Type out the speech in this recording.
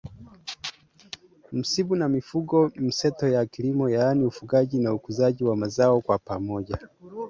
msimu na mifumo mseto ya kilimo yaani ufugaji na ukuzaji wa mazao kwa pamoja